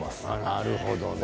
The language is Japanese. なるほどね。